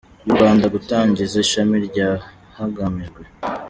y’u Rwanda gutangiza ishami rya hagamijwe.